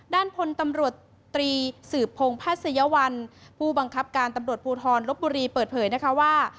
ด้านพลตำรวจตรีสืบพงพัศยวัลผู้บังคับการตำรวจภูทรลบบุรีเปิดเผยนะคะว่า